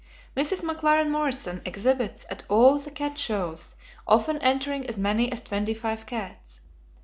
Mrs. McLaren Morrison exhibits at all the cat shows, often entering as many as twenty five cats.